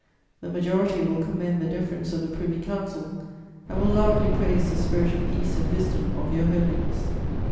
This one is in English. The majority will commend the deference of the Privy Council and will loudly praise the spirit of peace and wisdom of Your Holiness.'